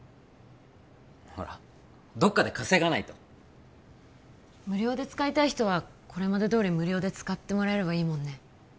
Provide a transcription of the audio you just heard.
ほらどっかで稼がないと無料で使いたい人はこれまでどおり無料で使ってもらえればいいもんね